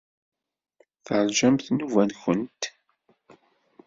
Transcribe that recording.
Teṛjamt nnuba-nwent.